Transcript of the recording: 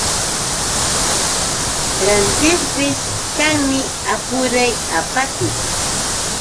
Rantiqpis kanmi apuray apatii.